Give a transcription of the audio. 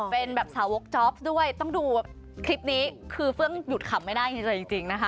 อ๋อเป็นแบบสาวกจ๊อปด้วยต้องดูคลิปนี้คือเพิ่งหยุดขัมไม่ได้จริงนะคะ